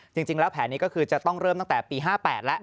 จริงแล้วแผนนี้ก็คือจะต้องเริ่มตั้งแต่ปี๕๘แล้ว